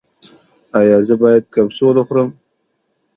ایا زه باید کپسول وخورم؟